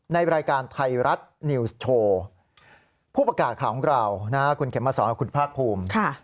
ในรายการไทยรัฐนิวส์โชว์ผู้ประกาศข่าวของเราคุณเข็มมาสอนกับคุณภาคภูมิ